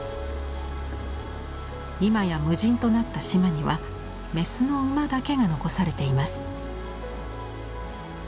今や無人となった島には雌の馬だけが残されています。